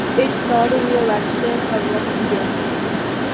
It saw the reelection of Rusty Bailey.